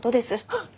ハッ！